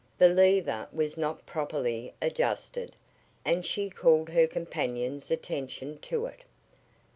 The lever was not properly adjusted, and she called her companion's attention to it.